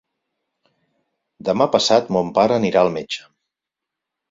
Demà passat mon pare anirà al metge.